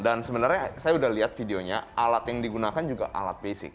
dan sebenarnya saya sudah lihat videonya alat yang digunakan juga alat basic